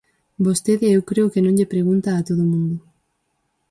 Vostede eu creo que non lle pregunta a todo o mundo.